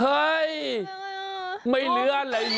เฮ้ยไม่เหลืออะไรเลย